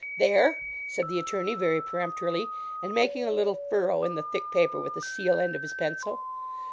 'There,' said the attorney, very peremptorily, and making a little furrow in the thick paper with the seal end of his pencil.